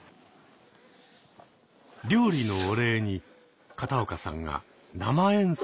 料理のお礼に片岡さんが生演奏を披露してくれました。